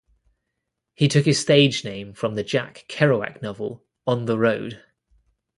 He took his stage name from the Jack Kerouac novel "On the Road".